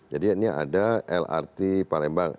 jadi ini ada lrt palembang